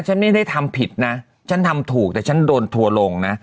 ฉันไม่ได้ทำผิดนะฉันทำถูกแต่ฉันโดนทัวร์ลงนะ